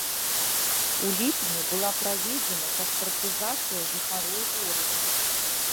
У ліпні была праведзена пашпартызацыя жыхароў горада.